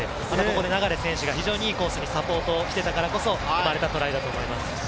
流選手が非常にいいコースにサポートできていたからこそ生まれたトライだと思います。